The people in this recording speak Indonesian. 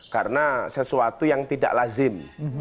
karena sesuatu yang tidak lazim